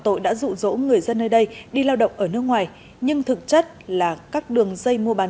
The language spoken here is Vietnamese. tội đã rụ rỗ người dân nơi đây đi lao động ở nước ngoài nhưng thực chất là các đường dây mua bán